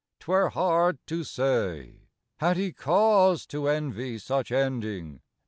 'twere hard to say; Had he cause to envy such ending?